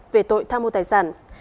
về tội tham mô tài sản